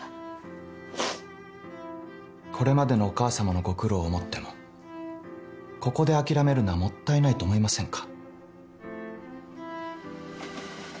これまでのお母様のご苦労を思ってもここで諦めるのはもったいないと思いませんか。